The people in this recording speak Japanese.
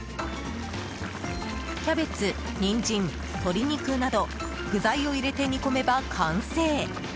キャベツ、ニンジン、鶏肉など具材を入れて煮込めば完成。